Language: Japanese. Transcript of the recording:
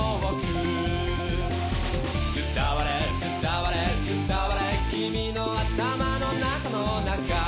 「伝われ伝われ伝われ君の頭の中の中」